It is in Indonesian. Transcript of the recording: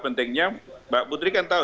pentingnya mbak putri kan tahu